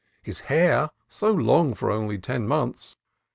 his hair, so long for only ten months!